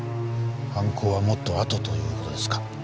犯行はもっとあとという事ですか。